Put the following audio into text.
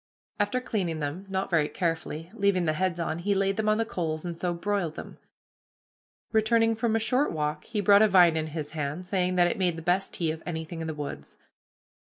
After cleaning them, not very carefully, leaving the heads on, he laid them on the coals and so broiled them. [Illustration: Fishing] Returning from a short walk, he brought a vine in his hand, saying that it made the best tea of anything in the woods.